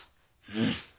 うん。